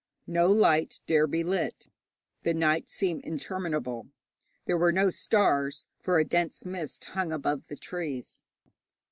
No light dare be lit. The night seemed interminable. There were no stars, for a dense mist hung above the trees.